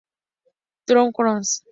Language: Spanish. Toru Kawashima